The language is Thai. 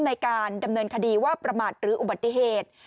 ในการดำเนินคดีว่าประมาทหรืออุบัติเหตุ